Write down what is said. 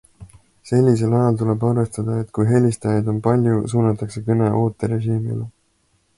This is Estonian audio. Sellisel ajal tuleb arvestada, et kui helistajaid on palju, suunatakse kõne ooterežiimile.